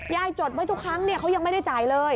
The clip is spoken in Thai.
จดไว้ทุกครั้งเขายังไม่ได้จ่ายเลย